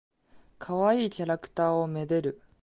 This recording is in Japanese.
かわいいキャラクターを愛でる。